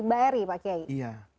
mbak eri pak kiai